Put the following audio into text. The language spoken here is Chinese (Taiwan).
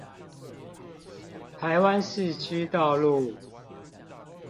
台灣市區道路